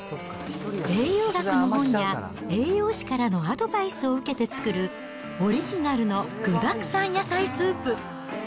栄養学の本や栄養士からのアドバイスを受けて作るオリジナルの具だくさん野菜スープ。